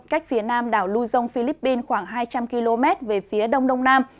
cách phía nam đảo lui dông philippines khoảng hai trăm linh km về phía đông đông nam